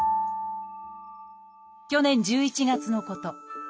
去年１１月のこと。